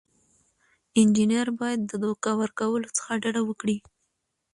انجینر باید د دوکه ورکولو څخه ډډه وکړي.